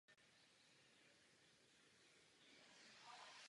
Skupina za píseň získala Zlatý glóbus za nejlepší filmovou píseň.